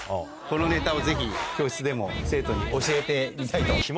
このネタをぜひ教室でも生徒に教えてみたいと。